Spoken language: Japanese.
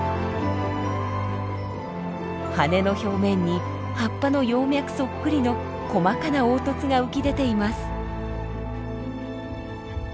羽の表面に葉っぱの葉脈そっくりの細かな凹凸が浮き出ています。